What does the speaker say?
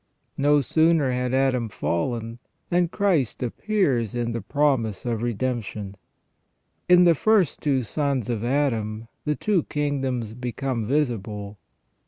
No sooner has Adam fallen than Christ appears in the promise of redemption. In the two first sons of Adam the two kingdoms become visible.